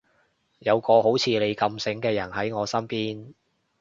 有個好似你咁醒嘅人喺我身邊